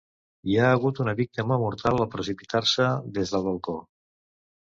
Hi ha hagut una víctima mortal al precipitar-se des del balcó.